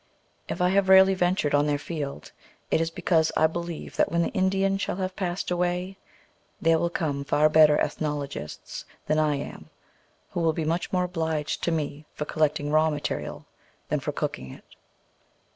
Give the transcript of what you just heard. If I have rarely ventured on their field, it is because I believe that when the Indian shall have passed away there will come far better ethnologists than I am, who will be much more obliged to me for collecting raw material than for cooking it.